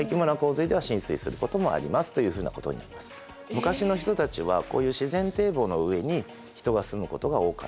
昔の人たちはこういう自然堤防の上に人が住むことが多かった。